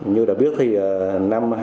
như đã biết thì năm hai nghìn một mươi